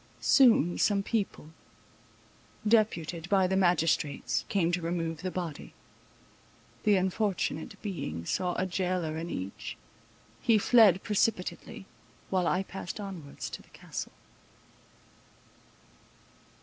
Soon some people, deputed by the magistrates, came to remove the body; the unfortunate being saw a jailor in each—he fled precipitately, while I passed onwards to the Castle.